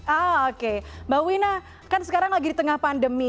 oke mbak wina kan sekarang lagi di tengah pandemi